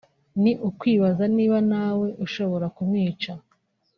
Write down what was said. ni ukwibaza niba na we udashobora kumwica